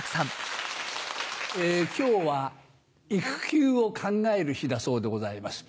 今日は「育休を考える日」だそうでございます。